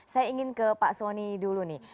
saya ingin ke pak soni dulu nih